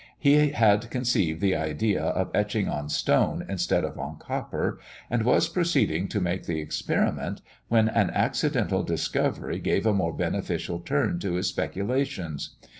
He had conceived the idea of etching on stone instead of on copper, and was proceeding to make the experiment, when an accidental discovery gave a more beneficial turn to his speculations.